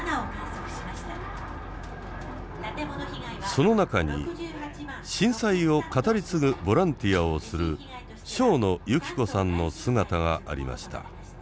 その中に震災を語り継ぐボランティアをする庄野ゆき子さんの姿がありました。